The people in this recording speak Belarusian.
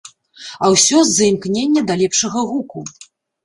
А ўсё з-за імкнення да лепшага гуку.